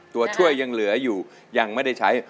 ตัวช่วยยังเหลืออยู่ยังไม่ได้ใช้